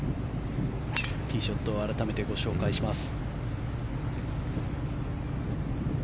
ティーショットを改めてご紹介します。